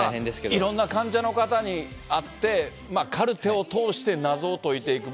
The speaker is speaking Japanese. いろんな患者の方に会って、カルテを通して謎を解いていく。